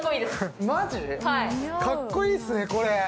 マジで、かっこいいっすね、これ。